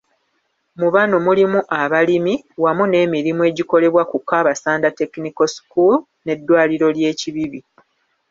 Mu bano mulimu abalimi wamu n'emirimu egikolebwa ku Kabasanda Technical School, n'eddwaliro lye e Kibibi.